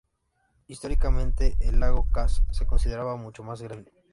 Históricamente, el lago Cass se consideraba mucho más grande.